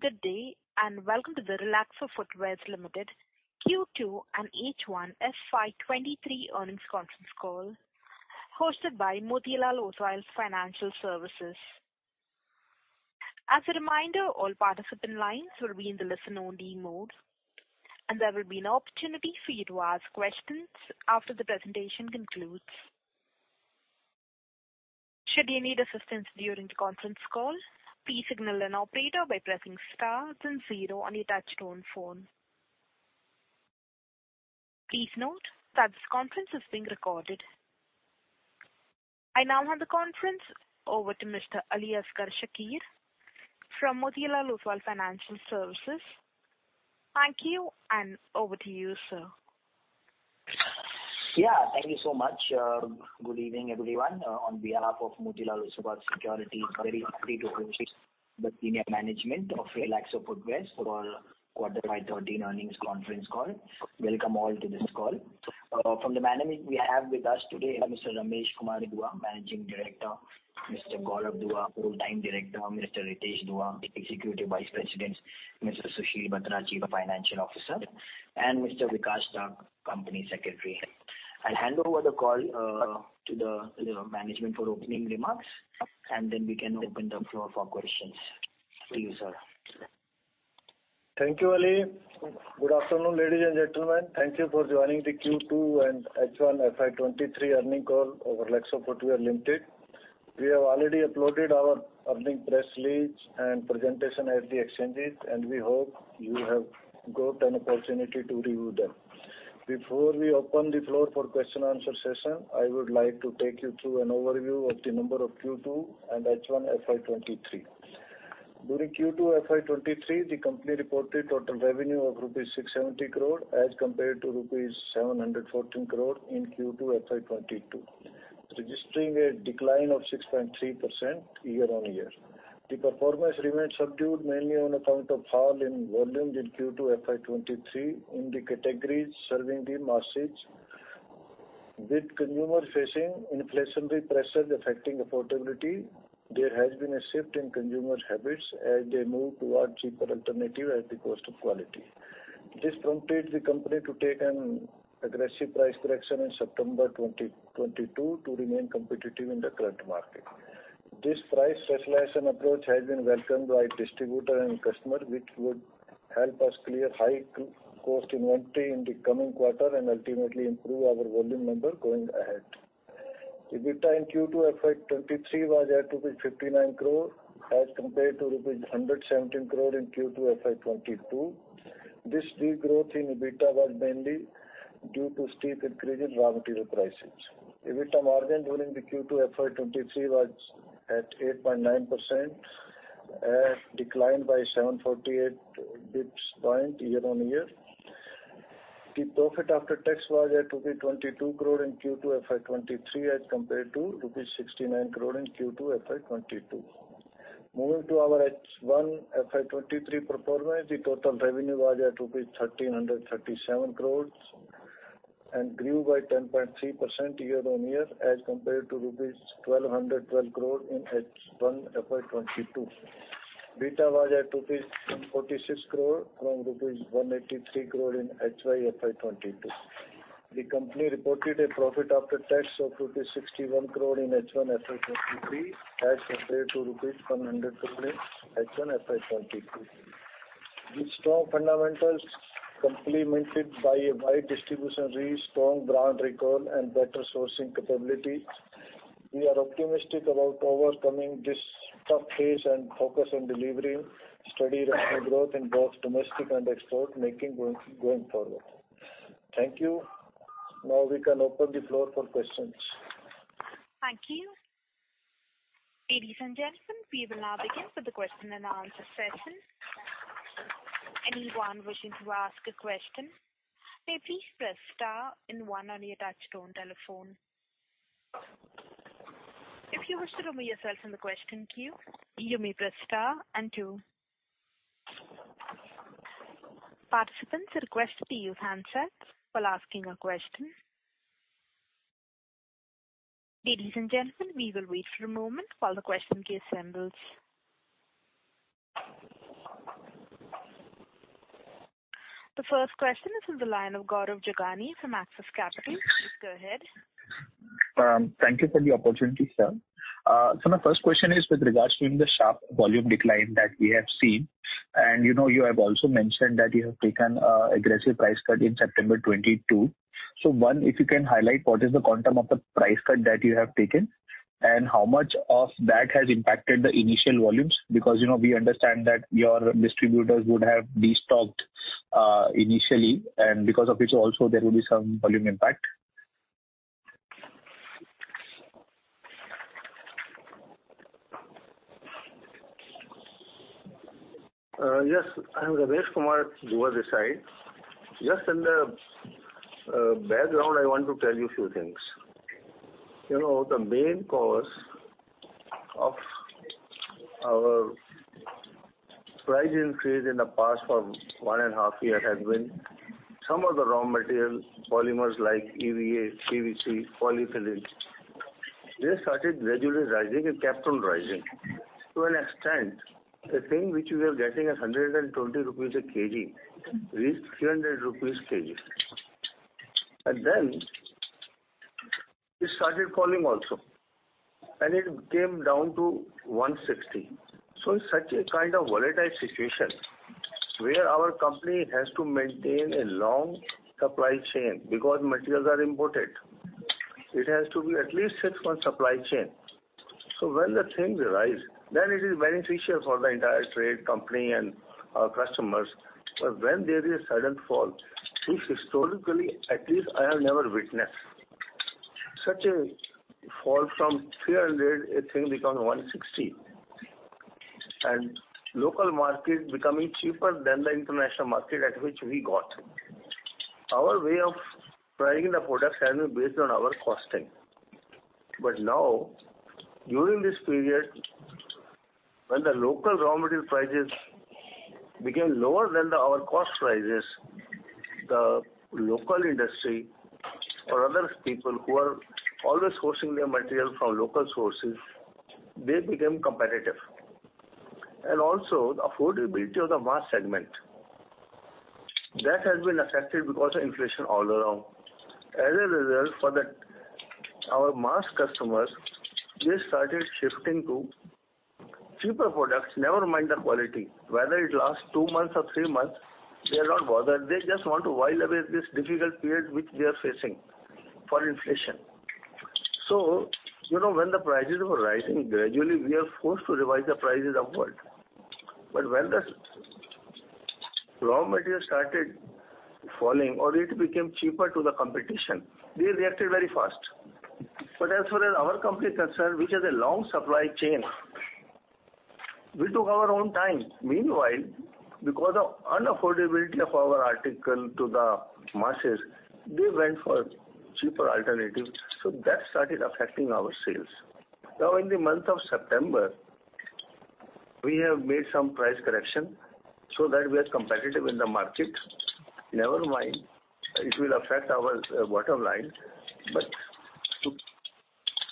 Good day, and welcome to the Relaxo Footwears Limited Q2 and H1 FY 2023 Earnings Conference Call, hosted by Motilal Oswal Financial Services. As a reminder, all participant lines will be in the listen only mode, and there will be an opportunity for you to ask questions after the presentation concludes. Should you need assistance during the conference call, please signal an operator by pressing star then zero on your touchtone phone. Please note that this conference is being recorded. I now hand the conference over to Mr. Aliasgar Shakir from Motilal Oswal Financial Services. Thank you, and over to you, sir. Yeah, thank you so much. Good evening, everyone. On behalf of Motilal Oswal Securities, very happy to introduce the senior management of Relaxo Footwears for our Q2 and H1 FY 2023 Earnings Conference Call. Welcome all to this call. From the management we have with us today Mr. Ramesh Kumar Dua, Managing Director, Mr. Gaurav Dua, Whole-time Director, Mr. Ritesh Dua, Executive Vice President, Mr. Sushil Batra, Executive Director, and Mr. Vikas Tak, Company Secretary. I'll hand over the call to the management for opening remarks, and then we can open the floor for questions. To you, sir. Thank you, Ali. Good afternoon, ladies and gentlemen. Thank you for joining the Q2 and H1 FY 2023 earnings call of Relaxo Footwears Limited. We have already uploaded our earnings press release and presentation at the exchanges, and we hope you have got an opportunity to review them. Before we open the floor for question anwer session, I would like to take you through an overview of the numbers of Q2 and H1 FY 2023. During Q2 FY 2023, the company reported total revenue of rupees 670 crore as compared to rupees 714 crore in Q2 FY 2022, registering a decline of 6.3% year-on-year. The performance remained subdued mainly on account of fall in volumes in Q2 FY 2023 in the categories serving the masses. With consumers facing inflationary pressures affecting affordability, there has been a shift in consumer habits as they move towards cheaper alternative at the cost of quality. This prompted the company to take an aggressive price correction in September 2022 to remain competitive in the current market. This price specialization approach has been welcomed by distributor and customer, which would help us clear high cost inventory in the coming quarter and ultimately improve our volume number going ahead. EBITDA in Q2 FY 2023 was at rupees 59 crore as compared to rupees 117 crore in Q2 FY 2022. This weak growth in EBITDA was mainly due to steep increase in raw material prices. EBITDA margin during the Q2 FY 2023 was at 8.9%, declined by 748 basis points year-on-year. The profit after tax was at 22 crore in Q2 FY 2023 as compared to INR 69 crore in Q2 FY 2022. Moving to our H1 FY 2023 performance, the total revenue was at rupees 1,337 crores and grew by 10.3% year-on-year as compared to rupees 1,212 crore in H1 FY 2022. EBITDA was at rupees 146 crore from rupees 183 crore in H1 FY 2022. The company reported a profit after tax of rupees 61 crore in H1 FY 2023 as compared to INR 100 crore in H1 FY 2022. With strong fundamentals complemented by a wide distribution reach, strong brand recall, and better sourcing capability, we are optimistic about overcoming this tough phase and focus on delivering steady revenue growth in both domestic and export markets going forward. Thank you. Now we can open the floor for questions. Thank you. Ladies and gentlemen, we will now begin with the question and answer session. Anyone wishing to ask a question, may please press star and one on your touchtone telephone. If you wish to remove yourself from the question queue, you may press star and two. Participants are requested to use handsets while asking a question. Ladies and gentlemen, we will wait for a moment while the question queue assembles. The first question is on the line of Gaurav Jogani from Axis Capital. Please go ahead. Thank you for the opportunity, sir. My first question is with regards to the sharp volume decline that we have seen, and you know, you have also mentioned that you have taken aggressive price cut in September 2022. One, if you can highlight what is the quantum of the price cut that you have taken, and how much of that has impacted the initial volumes? Because, you know, we understand that your distributors would have de-stocked initially, and because of which also there will be some volume impact. Yes. I'm Ramesh Kumar Dua this side. Just in the background, I want to tell you a few things. You know the main cause of our price increase in the past, for 1.5 year, has been some of the raw material polymers like EVA, PVC, polypropylene. They started gradually rising and kept on rising to an extent, the thing which we are getting 120 rupees per kg, reached 300 rupees per kg. It started falling also, and it came down to 160. In such a kind of volatile situation where our company has to maintain a long supply chain because materials are imported, it has to be at least 6 months supply chain. When the things rise, then it is beneficial for the entire trade company and our customers. When there is a sudden fall, which historically at least I have never witnessed such a fall from 300 the thing become 160, and local market becoming cheaper than the international market at which we got. Our way of pricing the products has been based on our costing. Now during this period when the local raw material prices became lower than our cost prices, the local industry or other people who are always sourcing their material from local sources, they became competitive. Also the affordability of the mass segment that has been affected because of inflation all around. As a result, for our mass customers, they started shifting to cheaper products. Never mind the quality, whether it lasts two months or three months, they are not bothered. They just want to while away this difficult period which they are facing for inflation. You know, when the prices were rising gradually we are forced to revise the prices upward. When the raw material started falling or it became cheaper to the competition, they reacted very fast. As far as our company concerned, which has a long supply chain, we took our own time. Meanwhile, because of unaffordability of our article to the masses, they went for cheaper alternatives. So that started affecting our sales. Now in the month of September, we have made some price correction so that we are competitive in the market. Never mind it will affect our bottom line, but to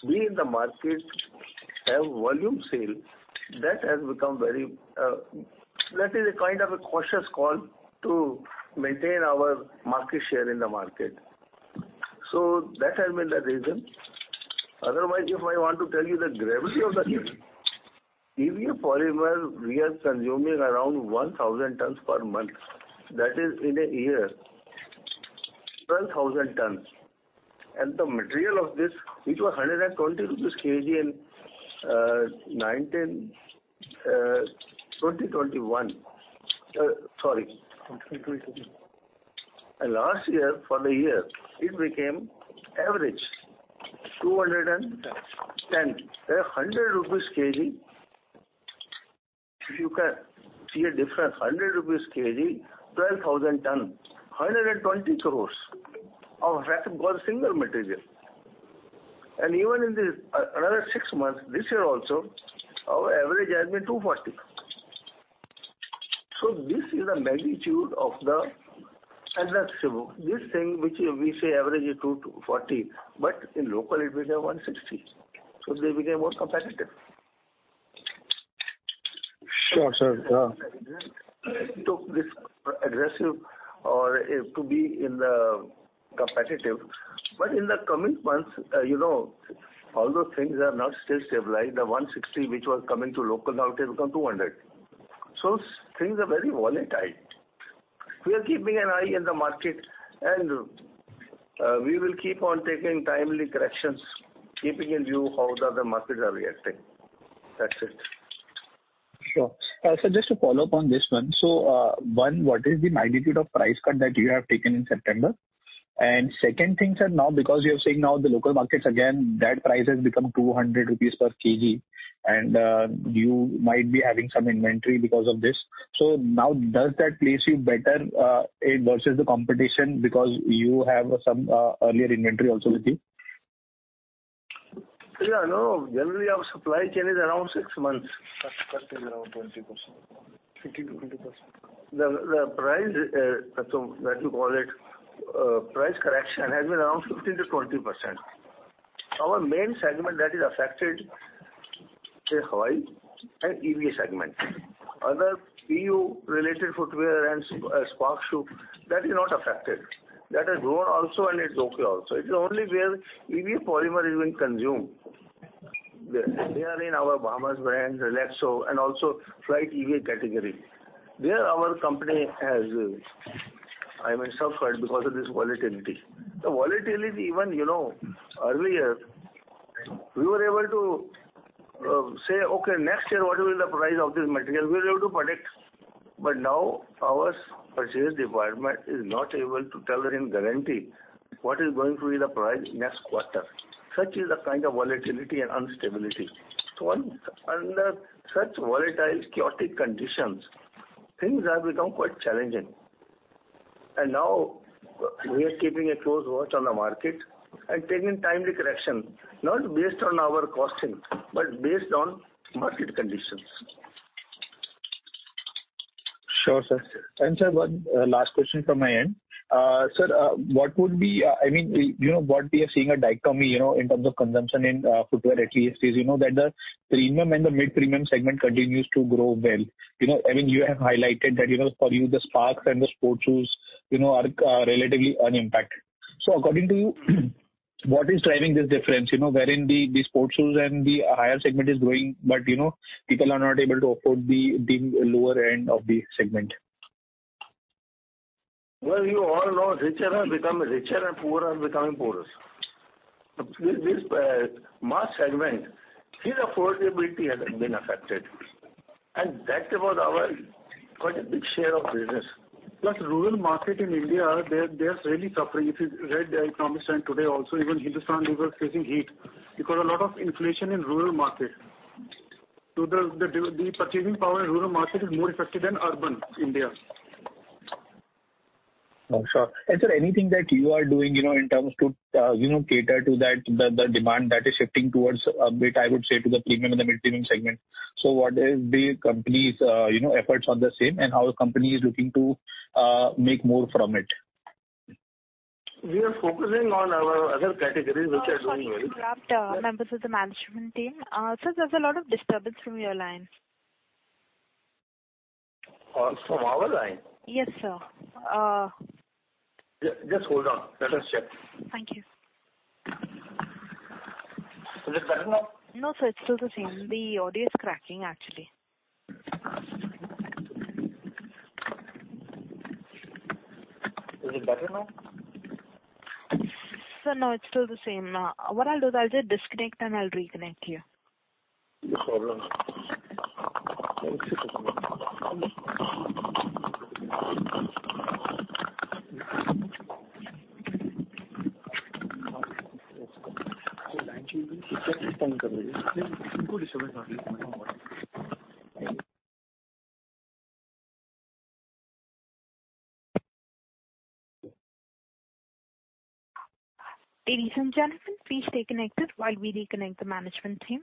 be in the market have volume sale that has become very, that is a kind of a cautious call to maintain our market share in the market. So that has been the reason. Otherwise, if I want to tell you the gravity of the thing, EVA polymer we are consuming around 1,000 tons per month. That is in a year, 12,000 tons. The material of this, which was 120 rupees/kg in 2021. Sorry, 2022. Last year for the year it became average 210. 100 rupees/kg. You can see a difference. 100 rupees/kg, 12,000 tons, 120 crore of revenue for a single material. Even in this another six months this year also our average has been 240. This is the magnitude of the aggressive. This thing which we say average is 240, but in local it will be 160, so they became more competitive. Sure, sir. Took this aggressive step to be competitive. In the coming months, you know, although things are not still stabilized, the 160 which was costing locally now it has become 200. Things are very volatile. We are keeping an eye on the market and we will keep on taking timely corrections, keeping in view how the other markets are reacting. That's it. Sure. Just to follow up on this one. One, what is the magnitude of price cut that you have taken in September? Second thing, sir, now because you are saying now the local markets again that price has become 200 rupees per kg and, you might be having some inventory because of this. Now does that place you better, versus the competition because you have some, earlier inventory also with you? Yeah, no. Generally our supply chain is around six months. Cut is around 20%. 15%-20%. The price correction has been around 15%-20%. Our main segment that is affected is Hawaii and EVA segment. Other PU related footwear and sports shoe that is not affected. That has grown also and it's okay also. It's only where EVA polymer is being consumed. They are in our Bahamas brand, Relaxo and also Flite EVA category. There our company has, I mean, suffered because of this volatility. The volatility earlier we were able to say, "Okay, next year what will be the price of this material?" We were able to predict. Now our purchase department is not able to tell with guarantee what is going to be the price next quarter. Such is the kind of volatility and instability. Under such volatile chaotic conditions, things have become quite challenging. Now we are keeping a close watch on the market and taking timely correction, not based on our costing, but based on market conditions. Sure, sir. One last question from my end. Sir, what would be, I mean, you know what we are seeing a dichotomy, you know, in terms of consumption in footwear at least is, you know, that the premium and the mid-premium segment continues to grow well. You know, I mean, you have highlighted that, you know, for you the Sparx and the sports shoes, you know, are relatively unimpacted. According to you, what is driving this difference, you know, wherein the sports shoes and the higher segment is growing, but, you know, people are not able to afford the lower end of the segment? Well, you all know richer are becoming richer and poorer are becoming poorer. This mass segment, its affordability has been affected, and that was our quite a big share of business. Plus rural market in India, they are really suffering. If you read The Economist and today also even Hindustan Unilever were facing heat because a lot of inflation in rural market. The purchasing power in rural market is more affected than urban India. Oh, sure. Sir, anything that you are doing, you know, in terms of, you know, cater to that, the demand that is shifting towards a bit, I would say, to the premium and the mid-premium segment. What is the company's, you know, efforts on the same and how the company is looking to, make more from it? We are focusing on our other categories which are doing well. Sorry to interrupt, members of the management team. Sir, there's a lot of disturbance from your line. From our line? Yes, sir. Just hold on. Let us check. Thank you. Is it better now? No, sir, it's still the same. The audio is cracking actually. Is it better now? Sir, no, it's still the same. What I'll do is I'll just disconnect and I'll reconnect you. No problem. Ladies and gentlemen, please stay connected while we reconnect the management team.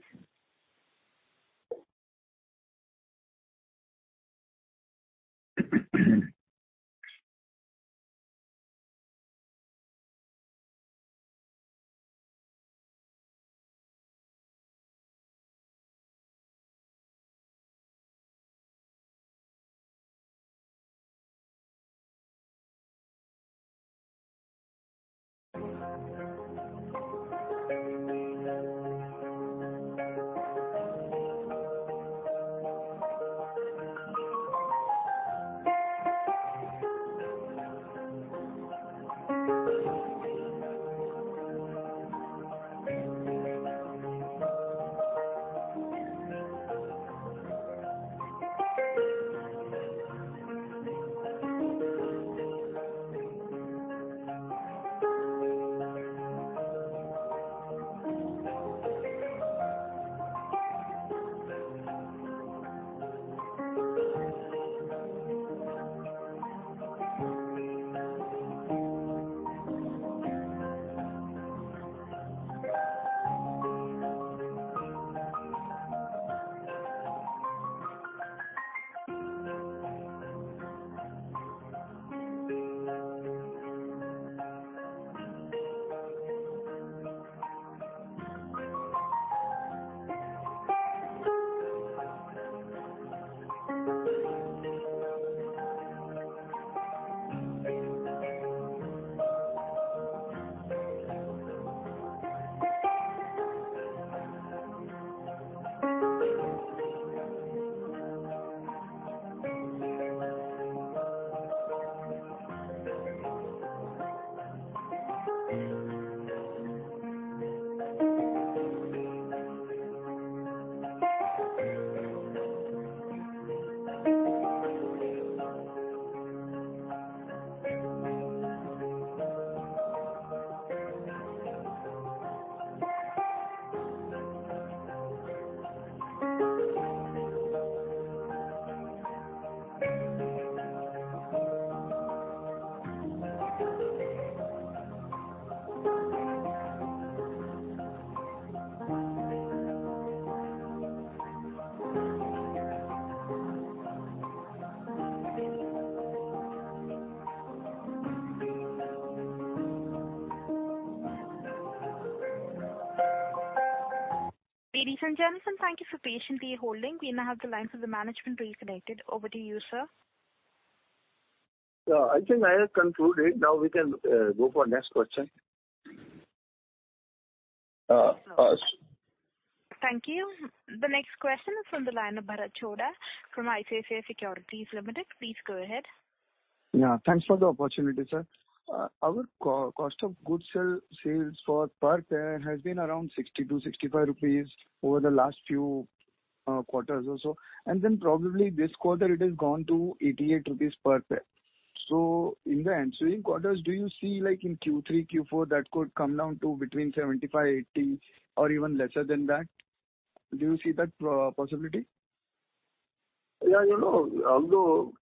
Ladies and gentlemen, thank you for patiently holding. We now have the lines of the management reconnected. Over to you, sir. Yeah, I think I have concluded. Now we can go for next question. Thank you. The next question is from the line of Bharat Chhoda from ICICI Securities Limited. Please go ahead. Yeah, thanks for the opportunity, sir. Our cost of goods sold per pair has been around 60-65 rupees over the last few quarters or so. Then probably this quarter it has gone to 88 rupees per pair. In the ensuing quarters, do you see like in Q3, Q4 that could come down to between 75-80 or even lesser than that? Do you see that possibility? Yeah, you know, although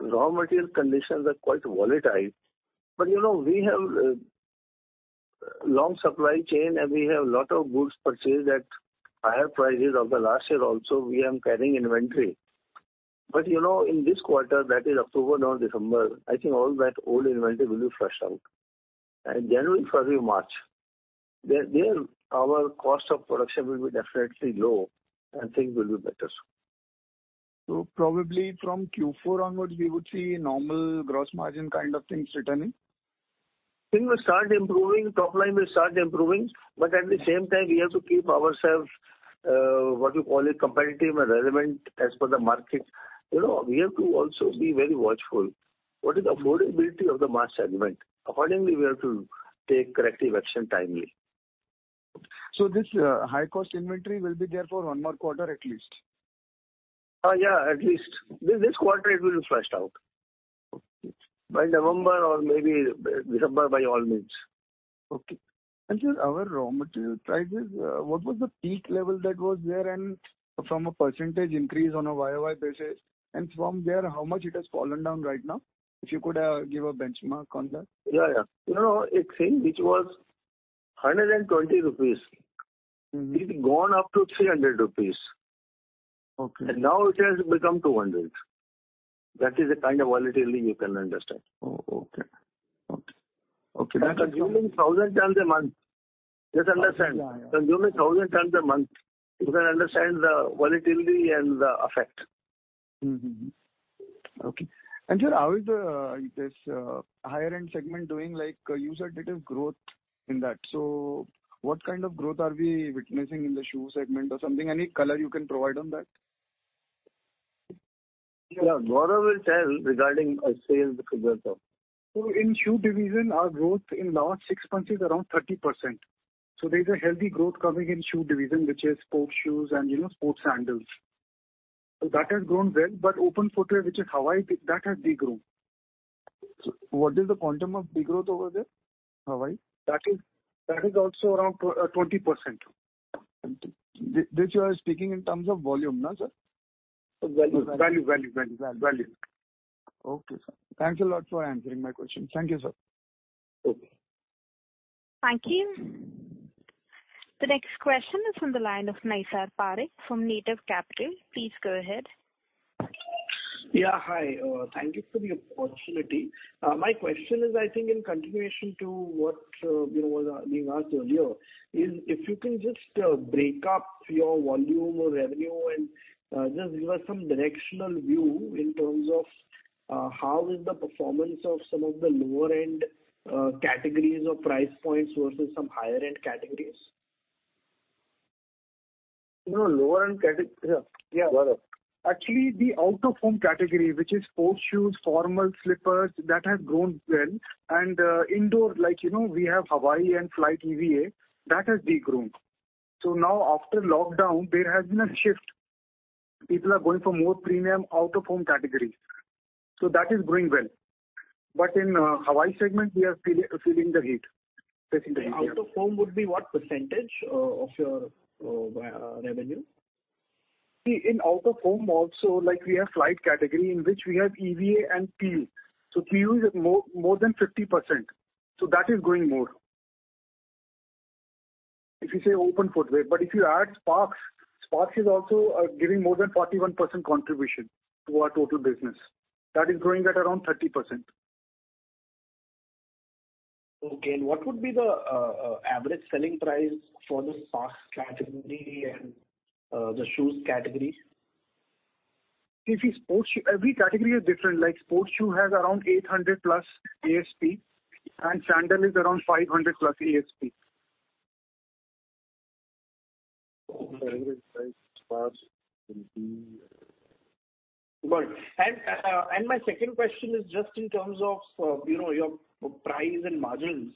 raw material conditions are quite volatile, but you know, we have long supply chain, and we have a lot of goods purchased at higher prices of the last year also, we are carrying inventory. You know, in this quarter, that is October to December, I think all that old inventory will be flushed out. January, February, March, there our cost of production will be definitely low and things will be better. Probably from Q4 onwards we would see normal gross margin kind of things returning? Things will start improving, top line will start improving, but at the same time, we have to keep ourselves, what you call it, competitive and relevant as per the market. You know, we have to also be very watchful. What is affordability of the mass segment? Accordingly, we have to take corrective action timely. This high cost inventory will be there for one more quarter, at least? Yeah, at least. This quarter it will be fleshed out. Okay. By November or maybe December by all means. Okay. Sir, our raw material prices, what was the peak level that was there and from a percentage increase on a YOY basis, and from there how much it has fallen down right now? If you could, give a benchmark on that. Yeah, yeah. You know, a thing which was 120. Mm-hmm. It gone up to 300 rupees. Okay. Now it has become 200. That is the kind of volatility you can understand. Oh, okay. Thank you. We're consuming 1,000 tons a month. Just understand. Yeah, yeah. Consuming 1,000 tons a month, you can understand the volatility and the effect. Mm-hmm. Okay. Sir, how is this higher end segment doing? Like, you said it is growth in that. What kind of growth are we witnessing in the shoe segment or something? Any color you can provide on that? Yeah. Gaurav will tell regarding sales figures of. In shoe division, our growth in last six months is around 30%. There's a healthy growth coming in shoe division, which is sports shoes and, you know, sports sandals. That has grown well, but open footwear, which is Hawaii, that has degrown. What is the quantum of degrowth over there? Hawaii. That is also around 20%. This you are speaking in terms of volume, sir? Value. Okay, sir. Thanks a lot for answering my question. Thank you, sir. Okay. Thank you. The next question is from the line of Naysar Parikh from Native Capital. Please go ahead. Yeah, hi. Thank you for the opportunity. My question is, I think in continuation to what you know was being asked earlier. Is if you can just break up your volume or revenue and just give us some directional view in terms of how is the performance of some of the lower end categories or price points versus some higher end categories? You know, yeah. Gaurav. Actually, the out of home category, which is sports shoes, formal slippers, that has grown well and indoor like, you know, we have Hawaii and Flite EVA, that has degrown. Now after lockdown there has been a shift. People are going for more premium out of home categories. That is growing well. In Hawaii segment we are feeling the heat. Facing the heat, yeah. Out of home would be what percentage of your revenue? See, in out of home also, like we have Flite category in which we have EVA and PU. PU is more than 50%. That is growing more. If you say open footwear, but if you add Sparx is also giving more than 41% contribution to our total business. That is growing at around 30%. Okay. What would be the average selling price for the Sparx category and the shoes category? Sports shoe, every category is different. Like sports shoe has around 800+ INR ASP and sandal is around 500+ INR ASP. My second question is just in terms of, you know, your price and margins.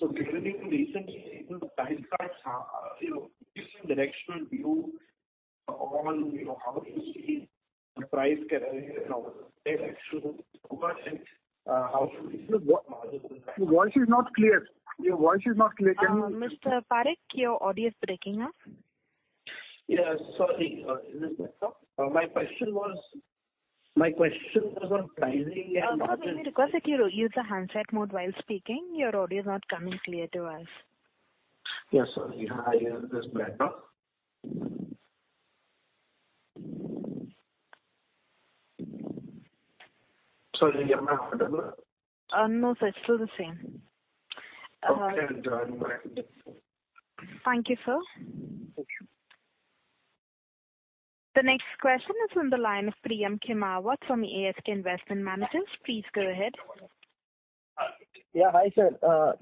Given the recent, you know, give some directional view on, you know, how do you see the price carrying out and how should we see margins impact? Your voice is not clear. Mr. Parekh, your audio is breaking up. Yeah. Sorry. Is this better? My question was on pricing and margins. Sir, can we request that you use the handset mode while speaking? Your audio is not coming clearly to us. Yes, sorry. I use this better. Sorry, am I audible? No sir. It's still the same. Okay. Never mind. Thank you, sir. Thank you. The next question is on the line of Priyam Khimawat from ASK Investment Managers. Please go ahead. Yeah. Hi sir.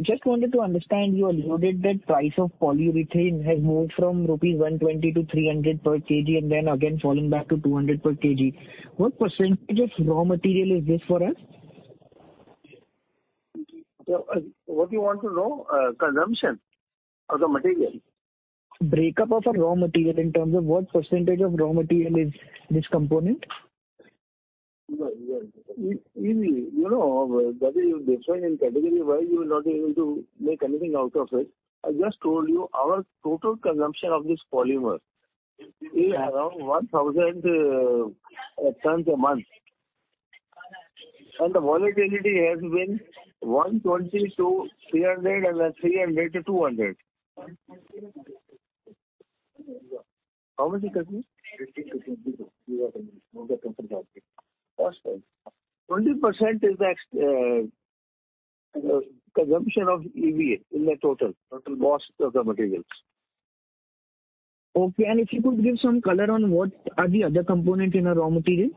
Just wanted to understand, you alluded that price of EVA has moved from rupees 120 to 300 per kg and then again falling back to 200 per kg. What percentage of raw material is this for us? What you want to know, consumption of the material? Breakdown of a raw material in terms of what percentage of raw material is this component? Well, you know, that is defined in category Y, you will not be able to make anything out of it. I just told you our total consumption of this polymer is around 1,000 tons a month. The volatility has been 120-300 and then 300-200. How much? Awesome. 20% is the consumption of EVA in the total cost of the materials. Okay. If you could give some color on what are the other component in our raw material?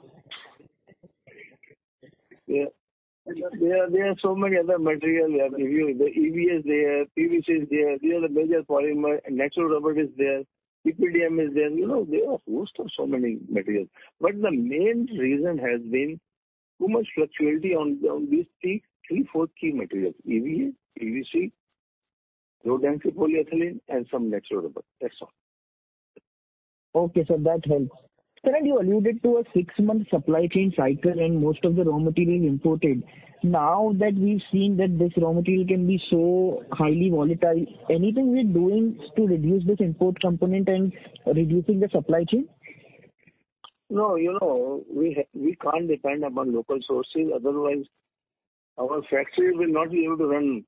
Yeah. There are so many other materials we have reviewed. The EVA is there, PVC is there. These are the major polymer. Natural rubber is there, EPDM is there. You know, there are host of so many materials. The main reason has been too much fluctuation on these three core key materials EVA, PVC, low-density polyethylene, and some natural rubber. That's all. Okay, sir. That helps. Sir, you alluded to a six-month supply chain cycle and most of the raw material imported. Now that we've seen that this raw material can be so highly volatile, anything we're doing to reduce this import component and reducing the supply chain? No, you know, we can't depend upon local sources, otherwise our factories will not be able to run.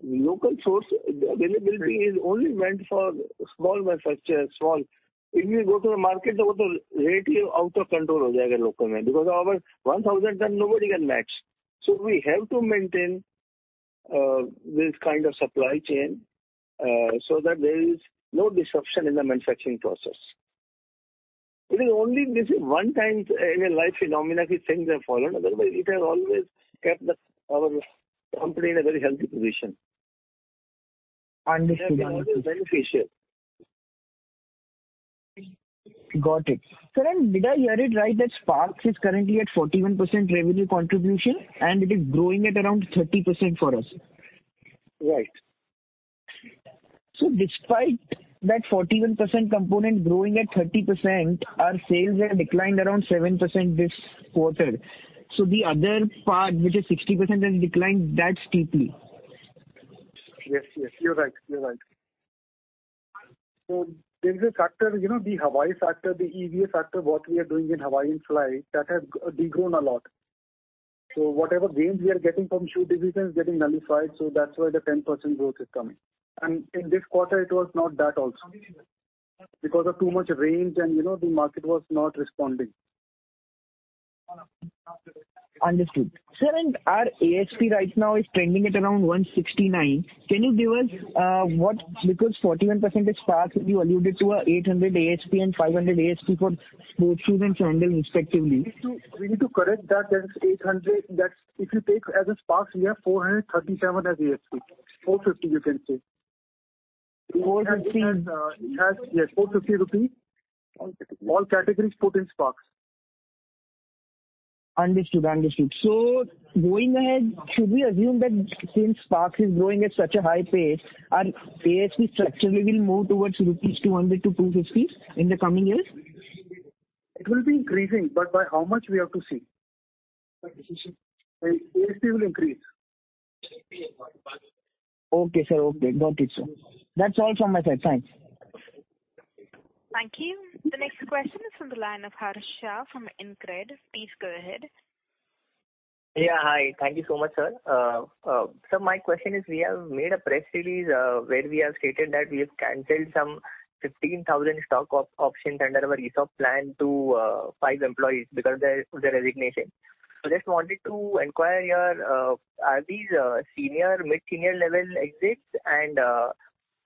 Local source availability is only meant for small manufacture, small. If you go to the market, the total rate will out of control locally because our 1,000 ton nobody can match. We have to maintain this kind of supply chain so that there is no disruption in the manufacturing process. It is only this is one time in a life phenomenon these things have fallen. Otherwise, it has always kept our company in a very healthy position. Understood. It has been beneficial. Got it. Sir, did I hear it right that Sparx is currently at 41% revenue contribution and it is growing at around 30% for us? Right. Despite that 41% component growing at 30%, our sales have declined around 7% this quarter. The other part, which is 60%, has declined that steeply. You're right. There is a factor, you know, the Hawaii factor, the EVA factor, what we are doing in Hawaii and Flite, that has de-grown a lot. Whatever gains we are getting from shoe division is getting nullified, so that's why the 10% growth is coming. In this quarter, it was not that also. Because of too much rains and, you know, the market was not responding. Understood. Sir, our ASP right now is trending at around 169. Can you give us, because 41% is Sparx, you alluded to an 800 ASP and 500 ASP for sports shoes and sandals, respectively. We need to correct that. That's 800, that's if you take as a Sparx, we have 437 as ASP. 450, you can say. 450. It has, yes, 450 rupee. Okay. All categories put in Sparx. Understood. Going ahead, should we assume that since Sparx is growing at such a high pace, our ASP structurally will move towards 200-250 rupees in the coming years? It will be increasing, but by how much we have to see. ASP will increase. Okay, sir. Okay. Got it, sir. That's all from my side. Thanks. Thank you. The next question is from the line of Harsha from InCred. Please go ahead. Yeah. Hi. Thank you so much, sir. So my question is, we have made a press release where we have stated that we have canceled some 15,000 stock options under our ESOP plan to five employees because of their resignation. Just wanted to inquire, are these senior, mid-senior level exits and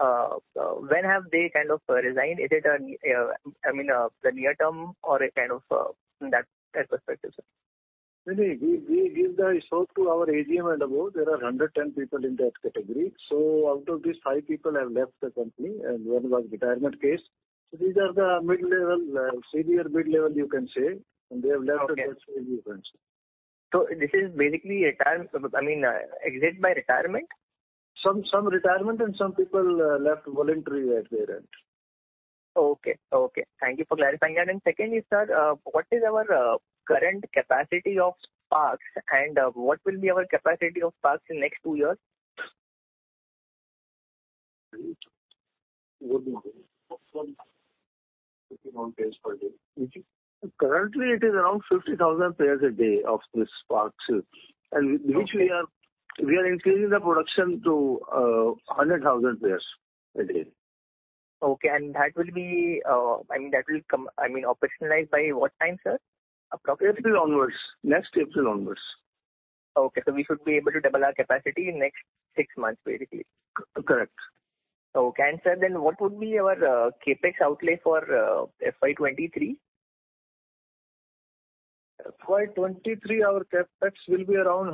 when have they kind of resigned? Is it a near term or a kind of in that perspective, sir? I mean. Many. We give the ESOP to our AGM and above. There are 110 people in that category. Out of these, five people have left the company, and one was retirement case. These are the mid-level senior mid-level, you can say, and they have left. Okay. The company, you can say. This is basically, I mean, exit by retirement? Some retirement and some people left voluntary at their end. Okay. Thank you for clarifying that. Secondly, sir, what is our current capacity of Sparx, and what will be our capacity of Sparx in next two years? Currently it is around 50,000 pairs a day of this Sparx, which we are increasing the production to 100,000 pairs a day. Okay. That will be, I mean, operationalized by what time, sir, approximately? April onwards. Next April onwards. Okay. We should be able to double our capacity in next six months, basically. Correct. Okay. Sir, then what would be our CapEx outlay for FY 2023? FY 2023 our CapEx will be around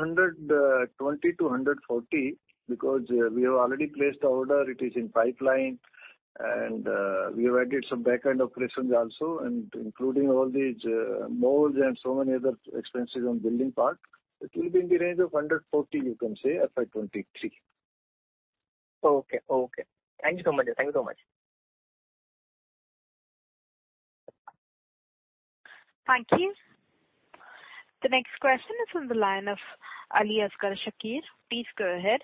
120-140 because we have already placed the order. It is in pipeline and we have added some back-end operations also, and including all these molds and so many other expenses on building part. It will be in the range of 140, you can say, FY 2023. Okay. Thank you so much. Thank you. The next question is from the line of Aliasgar Shakir. Please go ahead.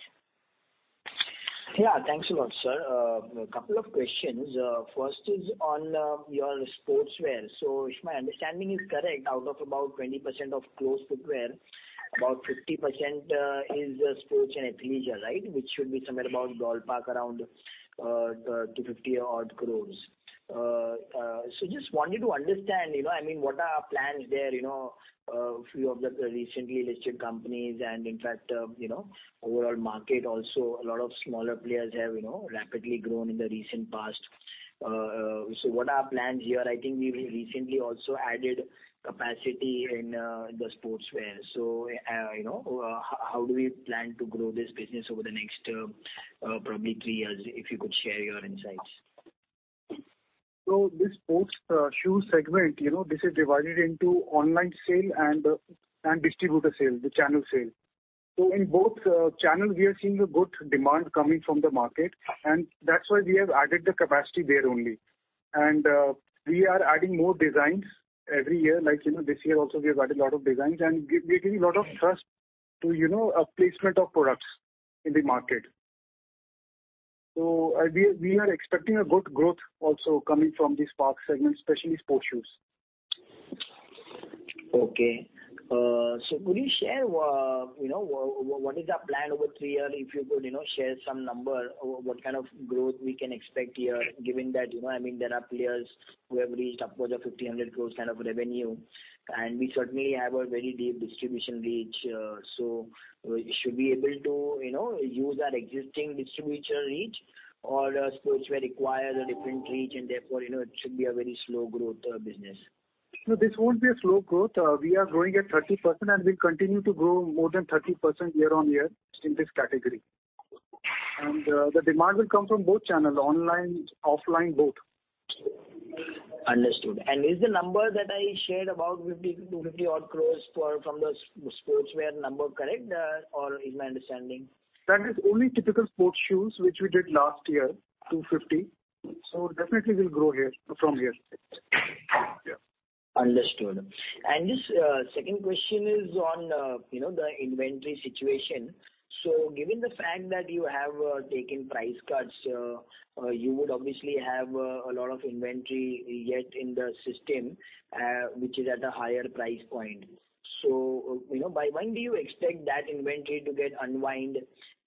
Yeah, thanks a lot, sir. A couple of questions. First is on your sportswear. If my understanding is correct, out of about 20% of closed footwear, about 50% is sports and athleisure, right? Which should be somewhere about ballpark around 250 crore odd. So just wanted to understand, you know, I mean, what are our plans there, you know, few of the recently listed companies, and in fact, you know, overall market also a lot of smaller players have, you know, rapidly grown in the recent past. So what are our plans here? I think we've recently also added capacity in the sportswear. You know, how do we plan to grow this business over the next probably three years, if you could share your insights. This sports shoe segment, you know, this is divided into online sale and distributor sale, the channel sale. In both channel we are seeing a good demand coming from the market, and that's why we have added the capacity there only. We are adding more designs every year. Like, you know, this year also we have added a lot of designs and giving a lot of trust to, you know, a placement of products in the market. We are expecting a good growth also coming from this Sparx segment, especially sports shoes. Could you share what is our plan over three-year, if you could share some number, what kind of growth we can expect here, given that, you know, I mean, there are players who have reached upwards of 1,500 crores kind of revenue, and we certainly have a very deep distribution reach. We should be able to use our existing distributor reach or does sportswear require a different reach and therefore it should be a very slow growth business. No, this won't be a slow growth. We are growing at 30% and we continue to grow more than 30% year-on-year in this category. The demand will come from both channels, online, offline, both. Understood. Is the number that I shared about 50 crore to 50-odd crore for the Sparx sportswear number correct? Or is my understanding- That is only typical sports shoes, which we did last year, 250. Definitely we'll grow here from here. Yeah. Understood. This second question is on, you know, the inventory situation. Given the fact that you have taken price cuts, you would obviously have a lot of inventory yet in the system, which is at a higher price point. You know, by when do you expect that inventory to get unwind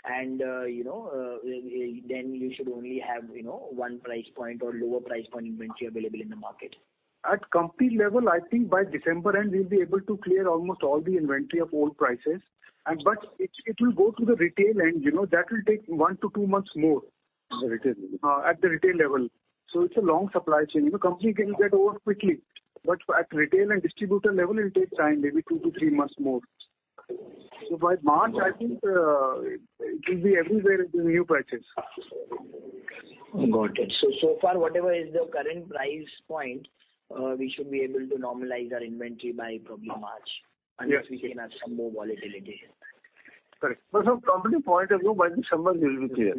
and, you know, then you should only have, you know, one price point or lower price point inventory available in the market. At company level, I think by December end, we'll be able to clear almost all the inventory of old prices. It will go to the retail end, you know. That will take 1-2 months more. At the retail. At the retail level. It's a long supply chain. You know, company can get over quickly, but at retail and distributor level, it'll take time, maybe 2-3 months more. By March, I think, it will be everywhere in the new prices. Got it. So far, whatever is the current price point, we should be able to normalize our inventory by probably March. Yes. Unless we see some more volatility. Correct. From company point of view, by December we'll be clear.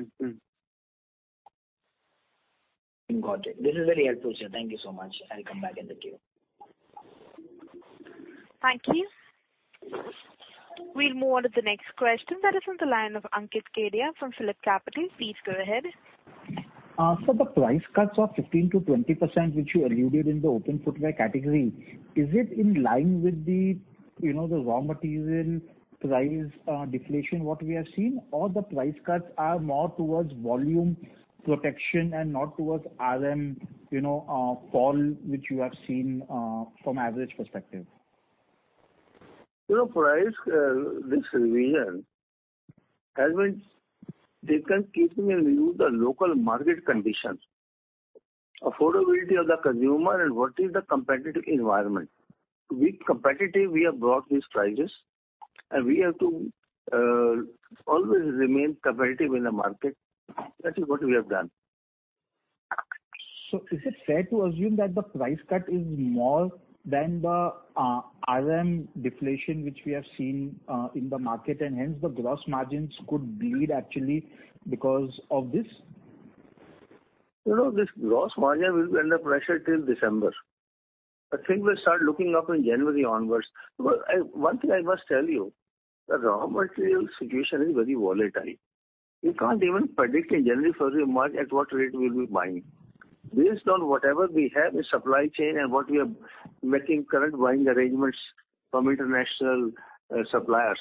Got it. This is very helpful, sir. Thank you so much. I'll come back in the queue. Thank you. We'll move on to the next question that is on the line of Ankit Kedia from PhillipCapital. Please go ahead. The price cuts of 15%-20%, which you alluded in the open footwear category, is it in line with the, you know, the raw material price deflation, what we have seen? Or the price cuts are more towards volume protection and not towards RM, you know, fall, which you have seen from average perspective. You know, price, this revision has been taken keeping in view the local market conditions, affordability of the consumer and what is the competitive environment. To be competitive, we have brought these prices, and we have to, always remain competitive in the market. That is what we have done. Is it fair to assume that the price cut is more than the RM deflation, which we have seen in the market, and hence the gross margins could bleed actually because of this? You know, this gross margin will be under pressure till December. I think we'll start looking up in January onwards. One thing I must tell you, the raw material situation is very volatile. You can't even predict in January, February, March at what rate we'll be buying. Based on whatever we have in supply chain and what we are making current buying arrangements from international suppliers,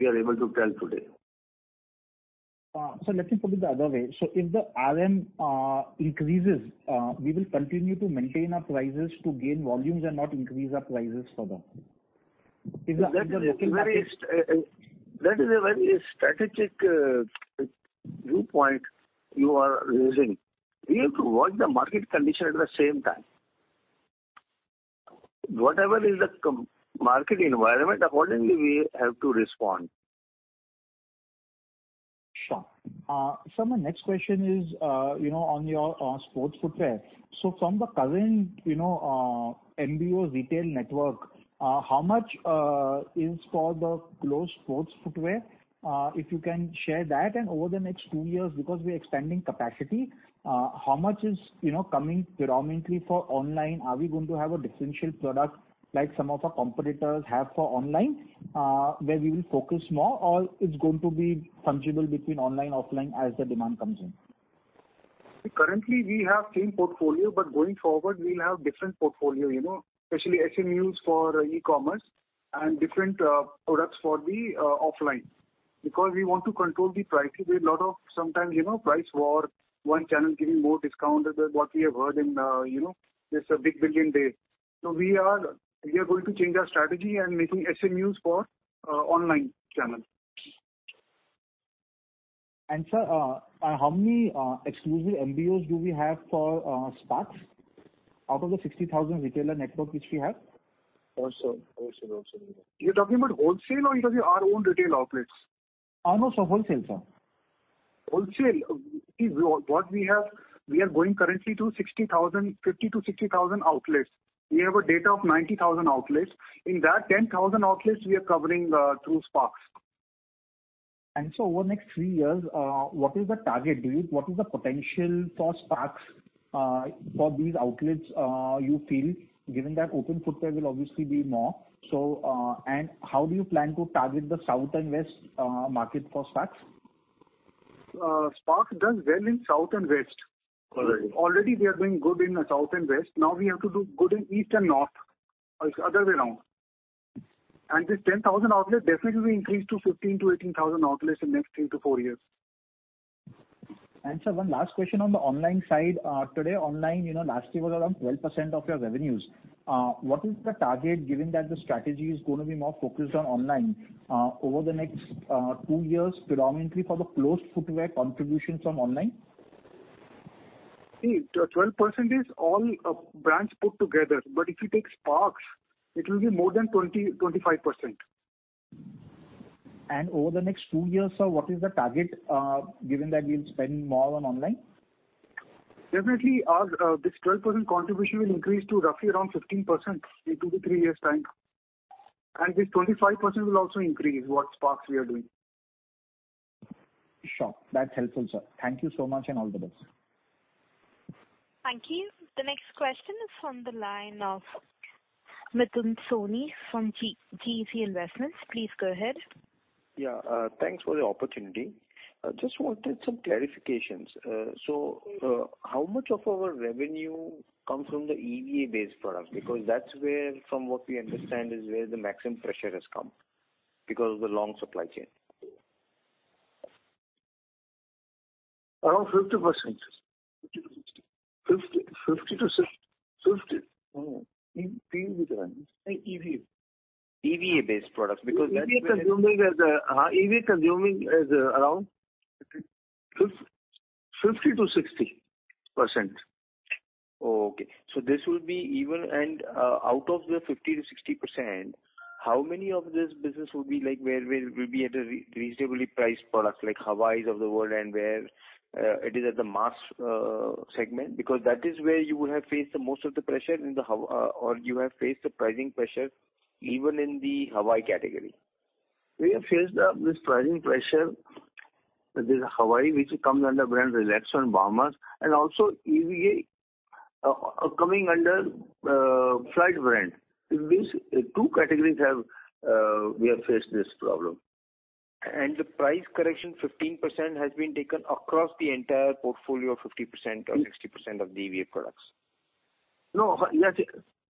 we are able to tell today. Let me put it the other way. If the RM increases, we will continue to maintain our prices to gain volumes and not increase our prices further. Is that the thinking? That is a very strategic viewpoint you are raising. We have to watch the market condition at the same time. Whatever is the market environment, accordingly we have to respond. Sure. My next question is, you know, on your sports footwear. From the current, you know, MBO retail network, how much is for the closed sports footwear? If you can share that and over the next two years, because we are expanding capacity, how much is, you know, coming predominantly for online? Are we going to have a differential product like some of our competitors have for online, where we will focus more or it's going to be fungible between online, offline as the demand comes in? Currently, we have same portfolio, but going forward, we'll have different portfolio, you know, especially SMUs for e-commerce and different products for the offline. Because we want to control the pricing. There's a lot of sometimes, you know, price war, one channel giving more discount than what we have heard in, you know, this Big Billion Days. We are going to change our strategy and making SMUs for online channel. Sir, how many exclusive MBOs do we have for Sparx out of the 60,000 retailer network which we have? Oh, sir. You're talking about wholesale or you're talking our own retail outlets? Oh, no, sir. Wholesale, sir. Wholesale. See, what we have, we are going currently to 60,000, 50,000-60,000 outlets. We have a data of 90,000 outlets. In that 10,000 outlets we are covering through Sparx. Over next three years, what is the target? What is the potential for Sparx for these outlets you feel, given that open footwear will obviously be more? How do you plan to target the South and West market for Sparx? Sparx does well in South and West. All right. Already we are doing good in the south and west. Now we have to do good in east and north. Other way around. This 10,000 outlets definitely will increase to 15,000-18,000 outlets in next 3-4 years. Sir, one last question on the online side. Today online, you know, last year was around 12% of your revenues. What is the target given that the strategy is gonna be more focused on online over the next two years, predominantly for the closed footwear contributions from online? See, 12% is all brands put together, but if you take Sparx, it will be more than 20%-25%. Over the next two years, sir, what is the target, given that you'll spend more on online? Definitely our this 12% contribution will increase to roughly around 15% in two to three years' time. This 25% will also increase with Sparx we are doing. Sure. That's helpful, sir. Thank you so much, and all the best. Thank you. The next question is from the line of Mithun Soni from GeeCee Investments. Please go ahead. Thanks for the opportunity. I just wanted some clarifications. How much of our revenue comes from the EVA-based product? Because that's where, from what we understand, is where the maximum pressure has come because of the long supply chain. Around 50%. 50 to 60. Fifty. Fifty to sixty. Fifty. PU based. No, EVA. EVA-based products. EVA consumption is around 50%-60%. Out of the 50%-60%, how many of this business will be like where we'll be at a reasonably priced product like Hawaii of the world and where it is at the mass segment? Because that is where you would have faced the most of the pressure in the Hawaii or you have faced the pricing pressure even in the Hawaii category. We have faced this pricing pressure, this Hawaii, which comes under brand Relaxo and Bahamas, and also EVA coming under Flite brand. In these two categories we have faced this problem. The price correction 15% has been taken across the entire portfolio of 50% or 60% of the EVA products. No. Yeah.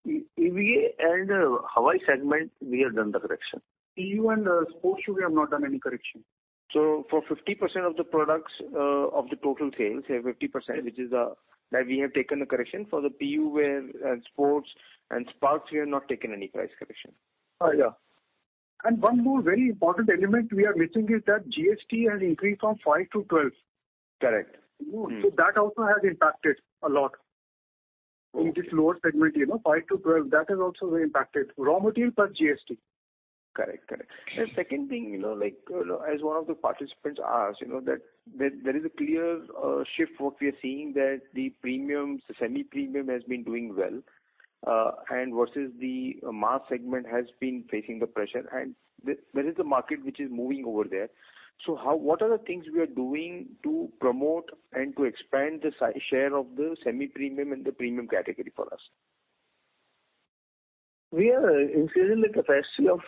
EVA and Hawaii segment, we have done the correction. PU and sports shoe, we have not done any correction. For 50% of the products, of the total sales, say 50%, which is that we have taken the correction. For the PU wear and sports and Sparx, we have not taken any price correction. Yeah. One more very important element we are missing is that GST has increased from 5%-12%. Correct. Mm-hmm. That also has impacted a lot. Okay. In this lower segment, you know, 5-12, that has also impacted. Raw material plus GST. Correct. Correct. Second thing, you know, like, as one of the participants asked, you know, that there is a clear shift what we are seeing that the premium, semi-premium has been doing well, and versus the mass segment has been facing the pressure and there is a market which is moving over there. So what are the things we are doing to promote and to expand the share of the semi-premium and the premium category for us? We are increasing the capacity of,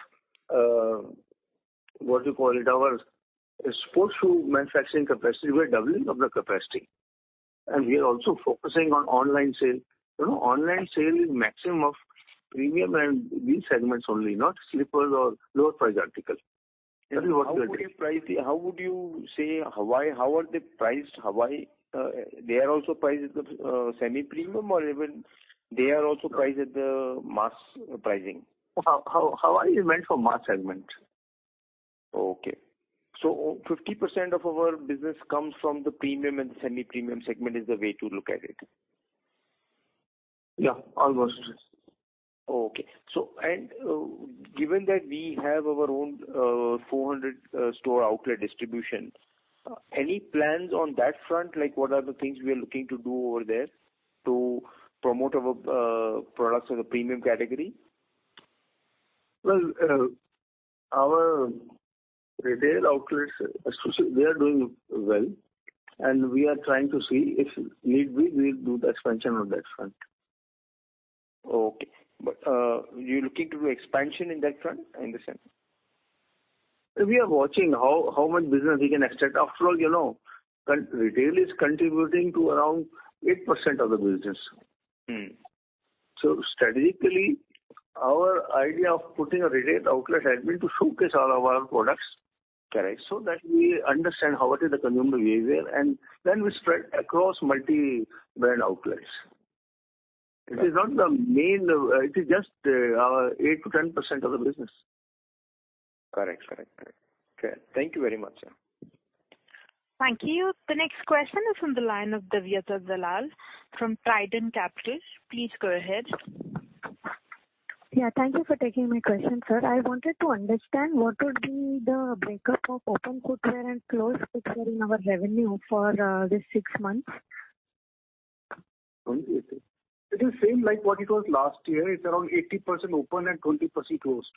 what you call it, our sports shoe manufacturing capacity. We are doubling up the capacity. We are also focusing on online sale. You know, online sale is maximum of premium and these segments only, not slippers or lower price articles. That is what we are doing. How would you say Hawaii, how are they priced, Hawaii? They are also priced at the semi-premium or even they are also priced at the mass pricing? Hawaii is meant for mass segment. Okay. 50% of our business comes from the premium and semi-premium segment is the way to look at it. Yeah, almost. Given that we have our own 400 store outlet distribution, any plans on that front? Like, what are the things we are looking to do over there to promote our products in the premium category? Well, our retail outlets, especially, they are doing well, and we are trying to see if need be, we'll do the expansion on that front. Okay. You're looking to do expansion in that front, I understand. We are watching how much business we can expect. After all, you know, retail is contributing to around 8% of the business. Mm. Strategically, our idea of putting a retail outlet has been to showcase all of our products. Correct. So that we understand what is the consumer behavior, and then we spread across multi-brand outlets. It is not the main. It is just 8%-10% of the business. Correct. Okay, thank you very much, sir. Thank you. The next question is from the line of Divya from Trident Capital. Please go ahead. Yeah. Thank you for taking my question, sir. I wanted to understand what would be the break-up of open footwear and closed footwear in our revenue for this six months. It is same like what it was last year. It's around 80% open and 20% closed.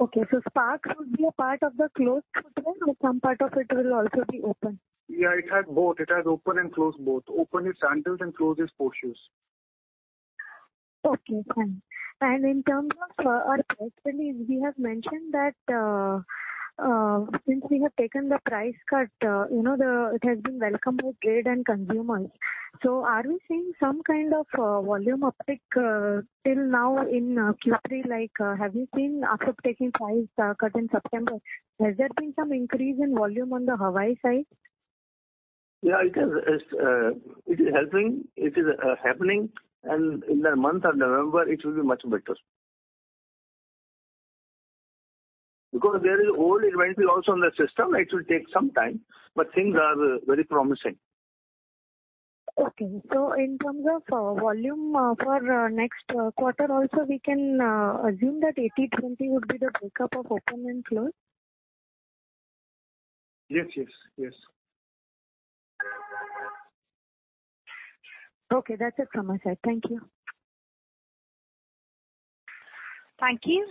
Okay. Sparx would be a part of the closed footwear or some part of it will also be open? Yeah, it has both. It has open and closed both. Open is sandals and closed is sports shoes. Okay, fine. In terms of our price release, we have mentioned that since we have taken the price cut, you know, it has been welcomed by trade and consumers. Are we seeing some kind of volume uptick till now in Q3? Like, have you seen after taking price cut in September, has there been some increase in volume on the Hawaii side? Yeah, it has. It is helping. It is happening. In the month of November, it will be much better. Because there is old inventory also in the system, it will take some time, but things are very promising. Okay. In terms of volume, for next quarter also, we can assume that 80-20 would be the breakup of open and closed? Yes. Yes. Yes. Okay. That's it from my side. Thank you. Thank you.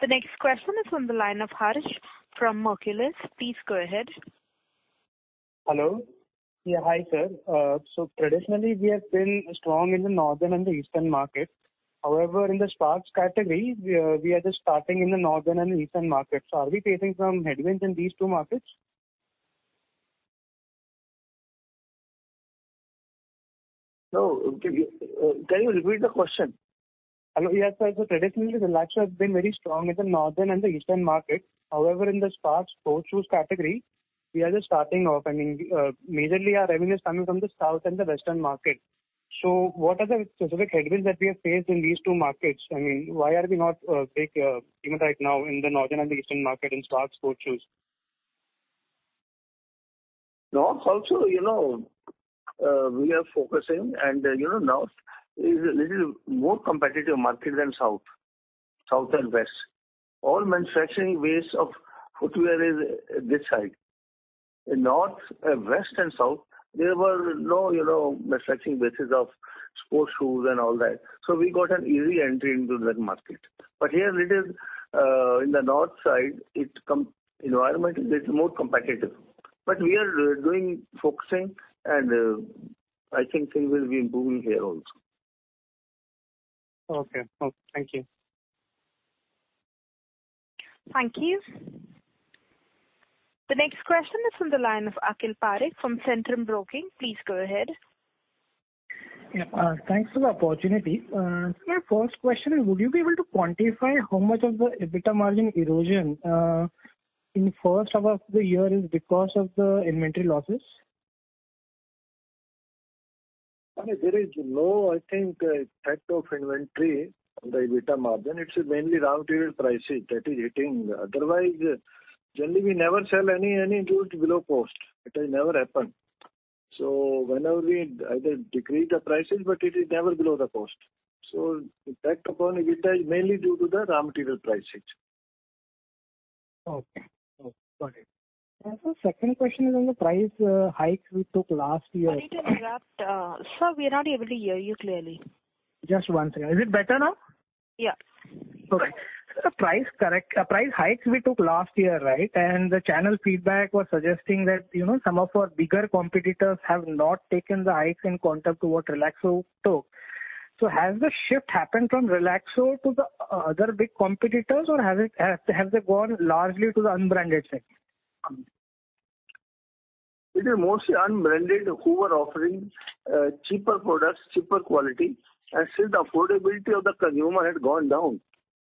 The next question is from the line of Harish from Oculus. Please go ahead. Hello. Yeah, hi, sir. Traditionally, we have been strong in the northern and the eastern market. However, in the Sparx category, we are just starting in the northern and eastern market. Are we facing some headwinds in these two markets? No. Can you repeat the question? Hello. Yes, sir. Traditionally, Relaxo has been very strong in the northern and the eastern market. However, in the Sparx sports shoes category, we are just starting off. I mean, majorly our revenue is coming from the south and the western market. What are the specific headwinds that we have faced in these two markets? I mean, why are we not big even right now in the northern and the eastern market in Sparx sports shoes? North also, you know, we are focusing and, you know, north is a little more competitive market than south and west. All manufacturing base of footwear is this side. In north, west and south, there were no, you know, manufacturing bases of sports shoes and all that. We got an easy entry into that market. Here it is, in the north side, the competitive environment is more competitive. We are focusing and, I think things will be improving here also. Okay. Thank you. Thank you. The next question is from the line of Akhil Parekh from Centrum Broking. Please go ahead. Yeah. Thanks for the opportunity. My first question is, would you be able to quantify how much of the EBITDA margin erosion in first half of the year is because of the inventory losses? I mean, there is no, I think, effect of inventory on the EBITDA margin. It's mainly raw material prices that is hitting. Otherwise, generally, we never sell any goods below cost. It has never happened. Whenever we either decrease the prices, but it is never below the cost. The effect upon EBITDA is mainly due to the raw material prices. Okay, got it. Sir, second question is on the price hike we took last year. I need to interrupt. Sir, we are not able to hear you clearly. Just one second. Is it better now? Yeah. All right. The price hikes we took last year, right? The channel feedback was suggesting that, you know, some of our bigger competitors have not taken the hikes in quantum to what Relaxo took. Has the shift happened from Relaxo to the other big competitors, or have they gone largely to the unbranded segment? It is mostly unbranded who are offering cheaper products, cheaper quality. Since the affordability of the consumer had gone down,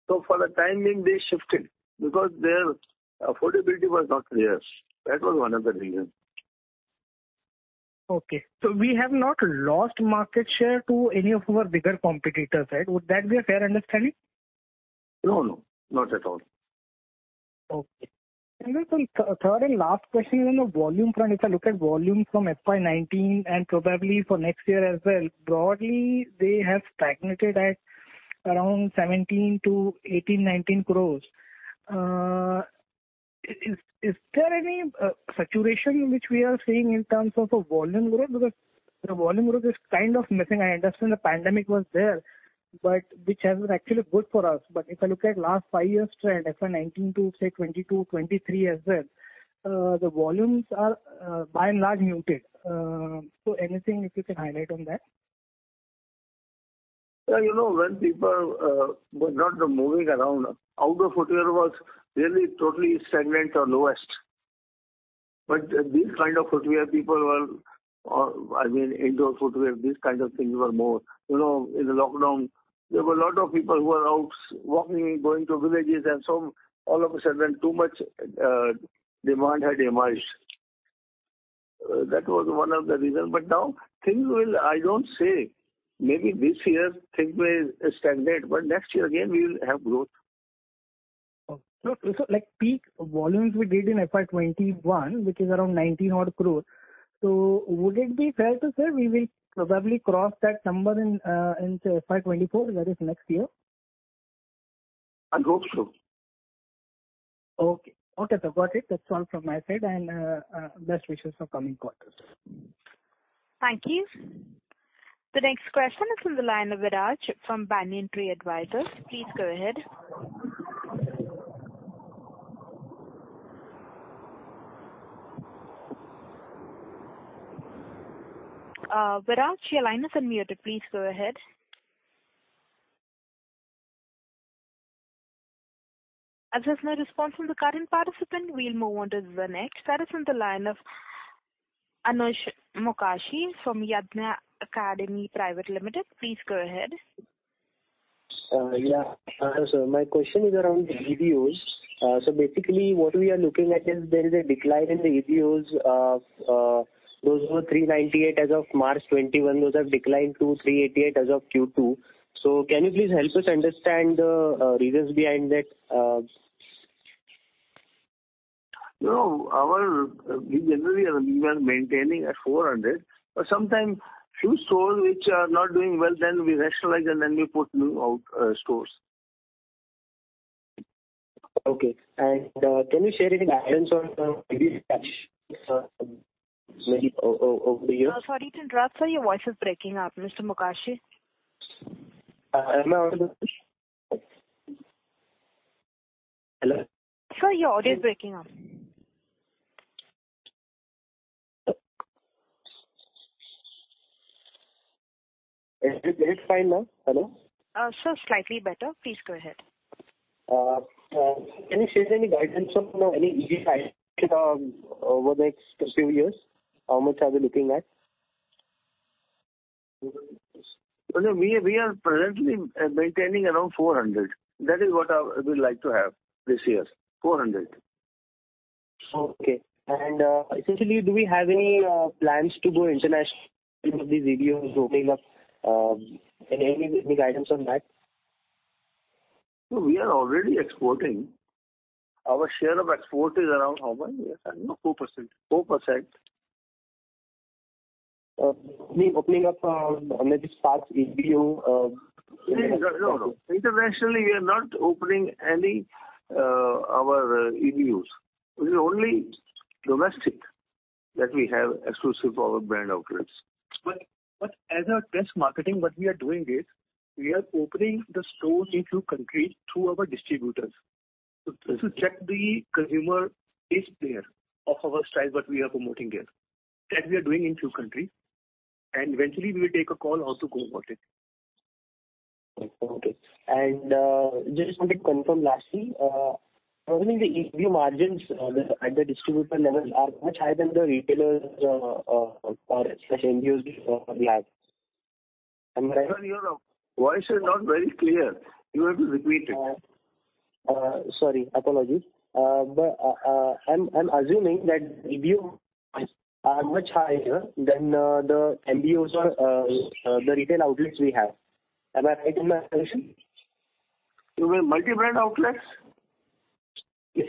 so for the time being, they shifted because their affordability was not there. That was one of the reasons. Okay. We have not lost market share to any of our bigger competitors, right? Would that be a fair understanding? No, no. Not at all. Okay. Sir, third and last question is on the volume front. If I look at volume from FY 2019 and probably for next year as well, broadly, they have stagnated at around 17-19 crores. Is there any saturation which we are seeing in terms of a volume growth? Because the volume growth is kind of missing. I understand the pandemic was there, but which has been actually good for us. If I look at last five years trend, FY 2019 to say 2022, 2023 as well, the volumes are by and large muted. So anything if you can highlight on that. Yeah, you know, when people were not moving around, outdoor footwear was really totally stagnant or lowest. These kind of footwear people were, I mean, indoor footwear, these kind of things were more. You know, in the lockdown, there were a lot of people who were out walking, going to villages and so all of a sudden, too much demand had emerged. That was one of the reasons. Now things will. I don't say maybe this year things may stagnant, but next year again we will have growth. Like peak volumes we did in FY 2021, which is around 90-odd crore. Would it be fair to say we will probably cross that number in FY 2024, that is next year? I hope so. Okay, sir. Got it. That's all from my side. Best wishes for coming quarters. Thank you. The next question is from the line of Viraj from Banyan Tree Advisors. Please go ahead. Viraj, your line is unmuted. Please go ahead. As there's no response from the current participant, we'll move on to the next. That is on the line of Anush Mokashi from Yadnya Academy Private Limited. Please go ahead. Yeah. My question is around the EBOs. Basically what we are looking at is there is a decline in the EBOs. Those were 390 as of March 2021. Those have declined to 388 as of Q2. Can you please help us understand the reasons behind that. No, we generally are maintaining at 400. Sometimes few stores which are not doing well, then we rationalize and then we put new outlets, stores. Can you share any guidance on the EBU cash, maybe over the years? Sorry to interrupt, sir. Your voice is breaking up, Mr. Mokashi. Am I audible? Hello? Sir, your audio is breaking up. Is it fine now? Hello? Sir, slightly better. Please go ahead. Can you share any guidance on any EBO target over the next few years? How much are we looking at? No. We are presently maintaining around 400. That is what we like to have this year, 400. Okay. Essentially, do we have any plans to go international with these EBOs opening up, any guidance on that? No, we are already exporting. Our share of export is around how much? I think 4%. 4%. Me opening up, maybe Sparx EBO. No, no. Internationally, we are not opening any our EBOs. It is only domestic that we have exclusive our brand outlets. As a test marketing, what we are doing is we are opening the stores in few countries through our distributors. Just to check the consumer taste there of our style what we are promoting here. That we are doing in few countries, and eventually we will take a call how to go about it. Okay. Just wanted to confirm lastly, probably the EBO margins at the distributor level are much higher than the retailers' or MBOs we have. Am I- Sir, your voice is not very clear. You have to repeat it. Sorry. Apologies. I'm assuming that EBO margins are much higher than the MBOs or the retail outlets we have. Am I right in my assumption? You mean multi-brand outlets? Yes.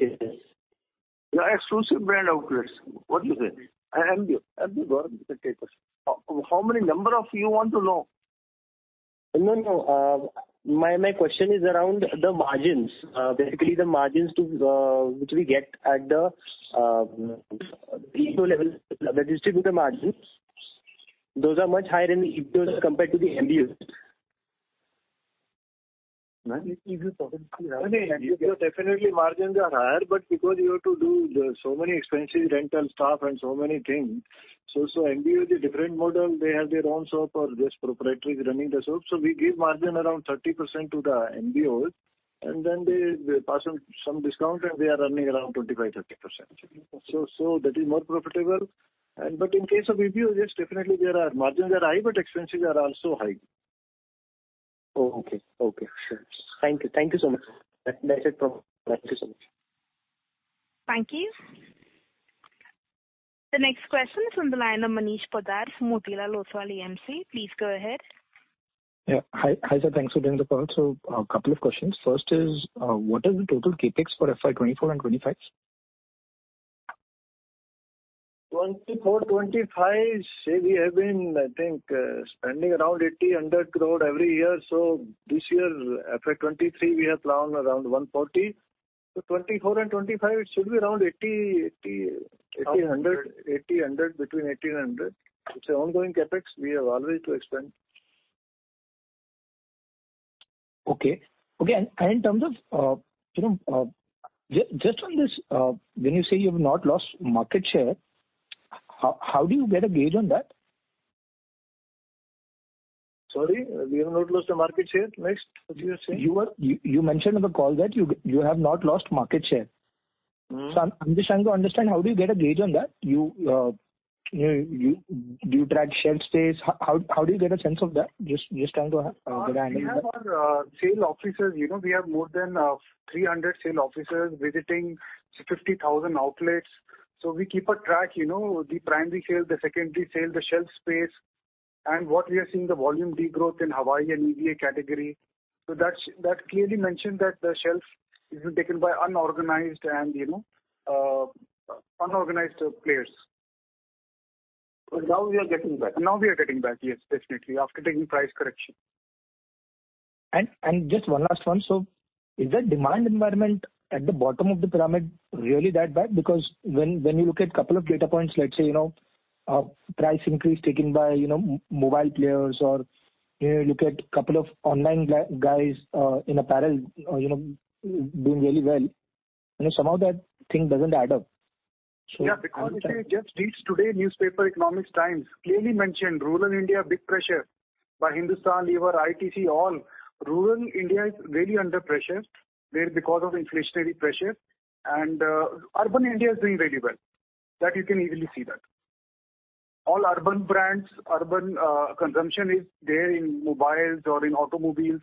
The exclusive brand outlets. What you say? MBOs. The retailers. How many number of you want to know? No, no. My question is around the margins. Basically, the margins to which we get at the EBO level, the distributor margins, those are much higher in EBOs compared to the MBOs. No, EBOs definitely margins are higher, but because you have to do so many expenses, rental, staff and so many things. MBOs is a different model. They have their own shop or just proprietary running the shop. We give margin around 30% to the MBOs, and then they pass on some discount and they are earning around 25%-30%. That is more profitable. But in case of EBO, yes, definitely margins are high, but expenses are also high. Oh, okay. Okay, sure. Thank you. Thank you so much. That's it from. Thank you so much. Thank you. The next question is from the line of Manish Poddar from Motilal Oswal AMC. Please go ahead. Yeah. Hi. Hi, sir. Thanks for doing the call. A couple of questions. First is, what is the total CapEx for FY 2024 and 2025? 24, 25, say we have been, I think, spending around 80-100 crore every year. This year, FY 2023, we have planned around 140. 24 and 25 it should be around 80-100. It's an ongoing CapEx. We have always to expand. Okay. Okay, and in terms of, you know, just on this, when you say you've not lost market share, how do you get a gauge on that? Sorry, we have not lost the market share. Next. What you were saying? You mentioned on the call that you have not lost market share. Mm-hmm. I'm just trying to understand, how do you get a gauge on that? You know, do you track shelf space? How do you get a sense of that? Just trying to get a handle on that. We have our sales officers. You know, we have more than 300 sales officers visiting 50,000 outlets. We keep track of the primary sales, the secondary sales, the shelf space, and what we are seeing, the volume degrowth in Hawaii and EVA category. That clearly indicates that the shelf isn't taken by unorganized, you know, unorganized players. Now we are getting back. Now we are getting back, yes, definitely, after taking price correction. Just one last one. Is the demand environment at the bottom of the pyramid really that bad? Because when you look at a couple of data points, let's say, you know, price increase taken by, you know, mobile players or, you know, you look at a couple of online players in apparel, you know, doing really well. You know, somehow that thing doesn't add up. I'm just trying- Yeah, because if you just read today's newspaper, The Economic Times, clearly mentioned rural India big pressure by Hindustan Unilever, ITC, all. Rural India is really under pressure there because of inflationary pressure, and urban India is doing very well. That you can easily see that. All urban brands, urban consumption is there in mobiles or in automobiles.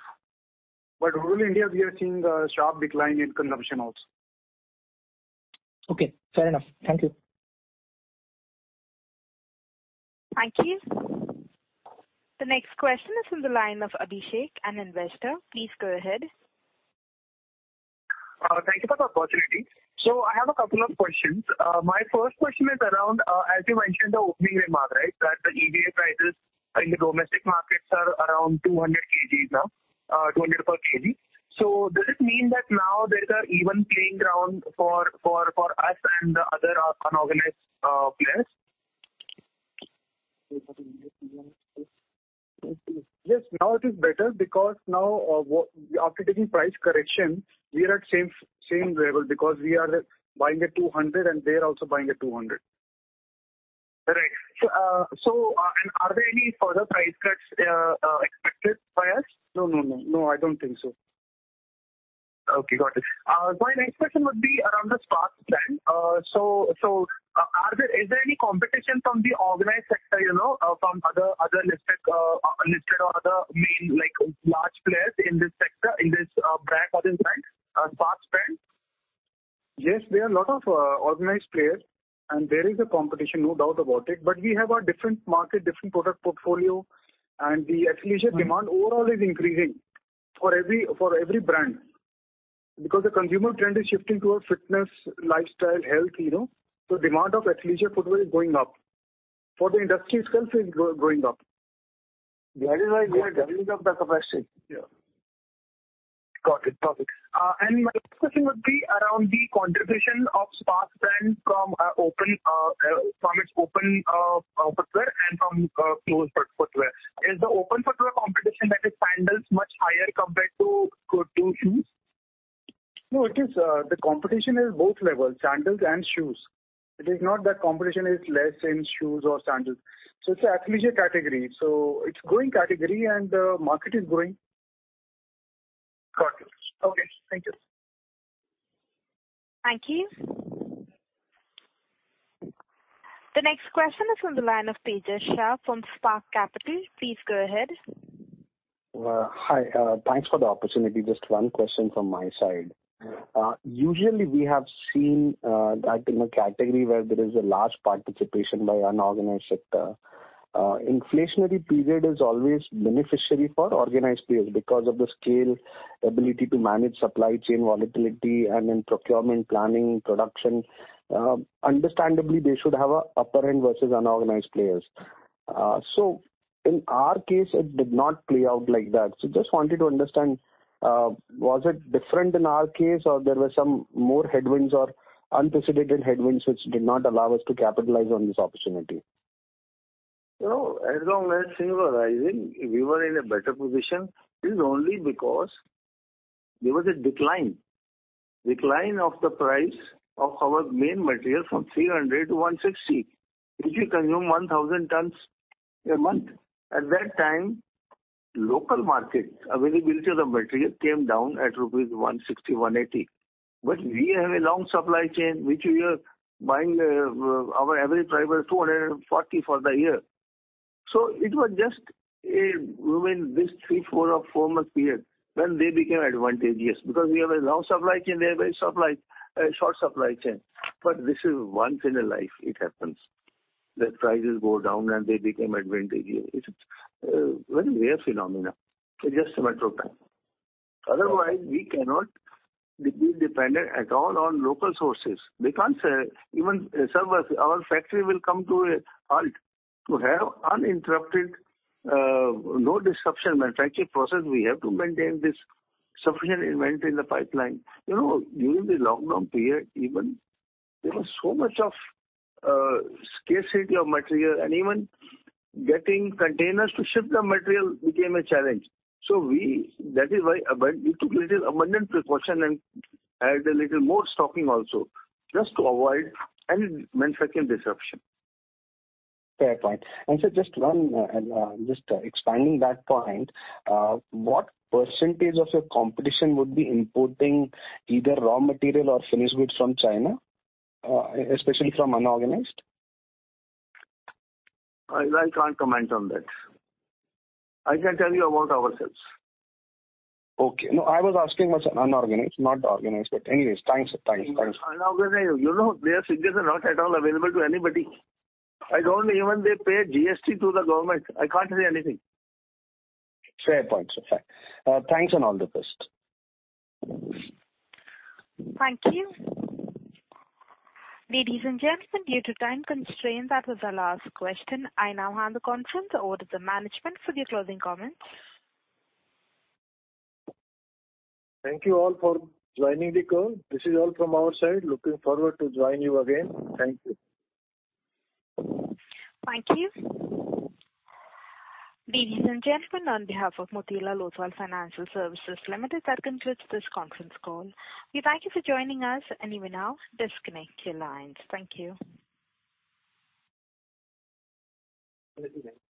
Rural India, we are seeing a sharp decline in consumption also. Okay, fair enough. Thank you. Thank you. The next question is from the line of Abhishek, an investor. Please go ahead. Thank you for the opportunity. I have a couple of questions. My first question is around, as you mentioned the opening remark, right, that the EVA prices in the domestic markets are around 200 per kg now. Does it mean that now there's an even playing ground for us and the other unorganized players? Yes, now it is better because now, after taking price correction, we are at same level because we are buying at 200 and they're also buying at 200. Right. Are there any further price cuts expected by us? No, no. No, I don't think so. Okay, got it. My next question would be around the Sparx brand. Is there any competition from the organized sector, you know, from other listed or other main, like, large players in this sector, in this brand or this Sparx brand? Yes, there are a lot of organized players and there is a competition, no doubt about it. We have a different market, different product portfolio, and the athleisure demand overall is increasing for every brand. Because the consumer trend is shifting towards fitness, lifestyle, health, you know. Demand of athleisure footwear is going up. For the industry itself is growing up. That is why we are doubling up the capacity. Yeah. Got it. My next question would be around the contribution of Sparx brand from its open footwear and from closed footwear. Is the open footwear competition, like, its sandals much higher compared to shoes? No, it is, the competition is both levels, sandals and shoes. It is not that competition is less in shoes or sandals. It's athleisure category. It's growing category and the market is growing. Got it. Okay, thank you. Thank you. The next question is from the line of Tejas Shah from Spark Capital. Please go ahead. Hi. Thanks for the opportunity. Just one question from my side. Yeah. Usually we have seen that in a category where there is a large participation by unorganized sector, inflationary period is always beneficial for organized players because of the scale, ability to manage supply chain volatility and in procurement, planning, production. Understandably, they should have an upper hand versus unorganized players. In our case, it did not play out like that. Just wanted to understand, was it different in our case, or there were some more headwinds or unprecedented headwinds which did not allow us to capitalize on this opportunity? No. As long as things were rising, we were in a better position. It is only because there was a decline of the price of our main material from 300 to 160, which we consume 1,000 tons a month. At that time, local market availability of the material came down at rupees 160-180. We have a long supply chain, which we are buying, our average price was 240 for the year. It was just a, I mean, this 3, 4 or 4-month period when they became advantageous because we have a long supply chain, they have a supply, a short supply chain. This is once in a life it happens, that prices go down and they become advantageous. It's a very rare phenomenon. It's just a matter of time. Otherwise, we cannot be dependent at all on local sources. We can't even source ours, our factory will come to a halt. To have uninterrupted no-disruption manufacturing process, we have to maintain this sufficient inventory in the pipeline. You know, during the lockdown period, even there was so much scarcity of material and even getting containers to ship the material became a challenge. That is why we took little abundant precaution and added a little more stocking also, just to avoid any manufacturing disruption. Fair point. Sir, just expanding that point, what percentage of your competition would be importing either raw material or finished goods from China, especially from unorganized? I can't comment on that. I can tell you about ourselves. Okay. No, I was asking about unorganized, not organized, but anyways, thanks. Unorganized, you know, their figures are not at all available to anybody. They pay GST to the government. I can't say anything. Fair point, sir. Fine. Thanks and all the best. Thank you. Ladies and gentlemen, due to time constraints, that was our last question. I now hand the conference over to the management for their closing comments. Thank you all for joining the call. This is all from our side. Looking forward to join you again. Thank you. Thank you. Ladies and gentlemen, on behalf of Motilal Oswal Financial Services Limited, I conclude this conference call. We thank you for joining us and you may now disconnect your lines. Thank you. Have a good day.